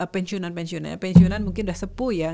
pensiunan pensiunan pensiunan mungkin udah sepuh ya